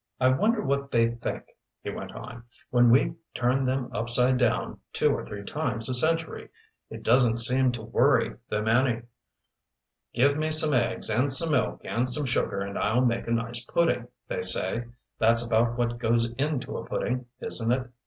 "I wonder what they think," he went on, "when we turn them upside down two or three times a century? It doesn't seem to worry them any. 'Give me some eggs and some milk and some sugar and I'll make a nice pudding,' they say that's about what goes into a pudding, isn't it?